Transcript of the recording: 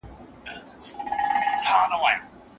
وئېل ئې څو کم سنه دي، لۀ قافه را روان دي